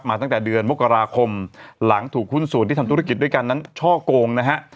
ตั้งแต่เดือนมกราคมหลังถูกหุ้นส่วนที่ทำธุรกิจด้วยกันนั้นช่อกงนะฮะ